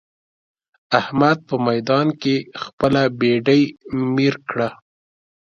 احمد په ميدان کې خپله بېډۍ مير کړه.